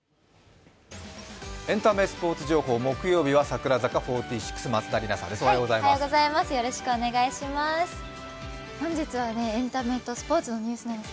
エンタメスポーツ情報、木曜日は櫻坂４６、松田里奈さんです。